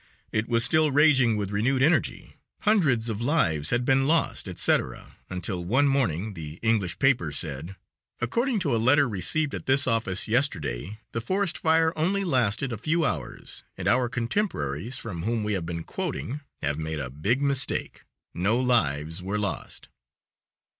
It was still raging with renewed energy hundreds of lives had been lost, etc., until one morning the English paper said: "According to a letter received at this office yesterday, the forest fire only lasted a few hours, and our contemporaries, from whom we have been quoting, have made a big mistake. No lives were lost."